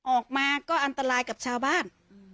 ออกมาก็อันตรายกับชาวบ้าน